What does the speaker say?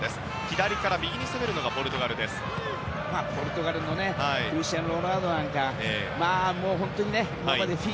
左から右に攻めるのがポルトガルです。